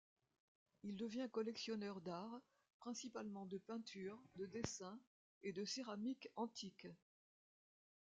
Il devient collectionneur d'art; principalement de peintures, de dessins et de céramique antique.